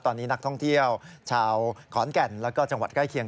ตอนนี้นักท่องเที่ยวชาวขอนแก่นแล้วก็จังหวัดใกล้เคียง